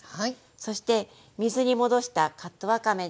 そして水に戻したカットわかめです。